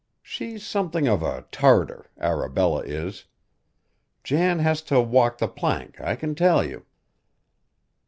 She's something of a Tartar Arabella is. Jan has to walk the plank, I can tell you."